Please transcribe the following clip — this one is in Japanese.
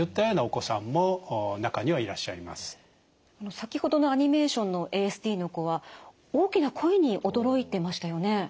先程のアニメーションのＡＳＤの子は大きな声に驚いてましたよね？